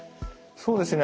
そうですね